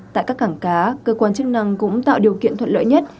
tại các cảng cá cơ quan chức năng cũng tạo điều kiện thuận lợi nhất